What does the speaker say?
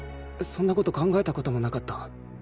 そんなこと考えたこともなかった